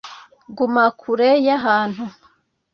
guma kure y'ahantu